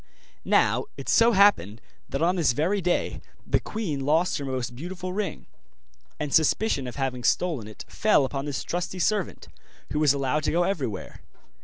Now it so happened that on this very day the queen lost her most beautiful ring, and suspicion of having stolen it fell upon this trusty servant, who was allowed to go everywhere.